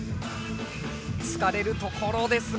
疲れるところですが。